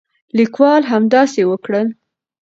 لیکوال همداسې وکړل.